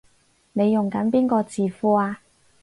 你用緊邊個字庫啊？